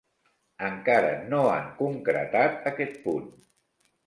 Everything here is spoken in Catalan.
Encara no han concretat aquest punt.